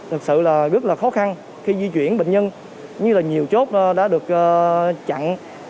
thực sự là rất là khó khăn khi di chuyển bệnh nhân như là nhiều chốt đã được chặn